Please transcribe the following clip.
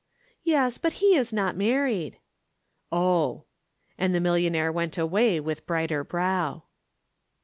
"Yes, but he is not married." "Oh!" and the millionaire went away with brighter brow.